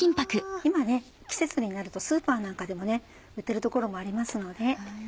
今季節になるとスーパーなんかでも売ってる所もありますので。